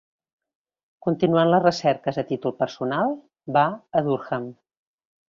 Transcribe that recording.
Continuant les recerques a títol personal, va a Durham.